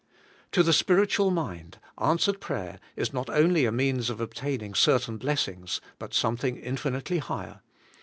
' To the spiritual mind, answered prayer is not only a means of obtaining certain blessings, but something infinitely higher.